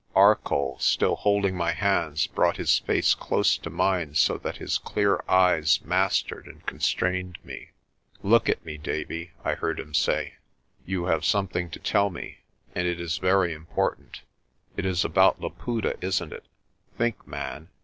Arcoll, still holding my hands, brought his face close to mine so that his clear eyes mastered and constrained me. "Look at me, Davie," I heard him say. "You have something to tell me, and it is very important. It is about Laputa, isn't it? Think, man.